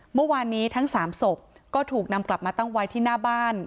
เมื่อวานนี้ทั้ง๓ศพก็ถูกนำกลับมาตั้งไว้ที่หน้าบ้าน